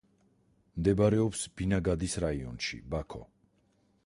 მდებარეობს ბინაგადის რაიონში, ბაქო.